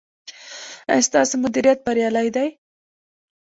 ایا ستاسو مدیریت بریالی دی؟